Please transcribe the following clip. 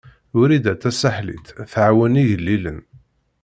Wrida Tasaḥlit tɛawen igellilen.